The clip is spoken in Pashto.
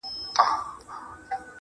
څنگه درد دی، څنگه کيف دی، څنگه راز دی,